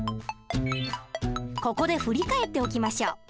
ここで振り返っておきましょう。